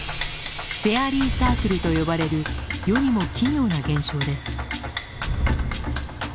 フェアリーサークルと呼ばれる世にも奇妙な現象です。